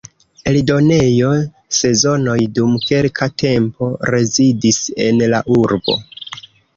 Eldonejo Sezonoj dum kelka tempo rezidis en la urbo.